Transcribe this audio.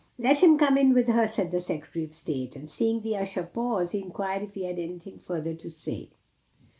"Let him come in with her," said the Secretary of State. And seeing the usher pause, he inquired if he had anything further to say.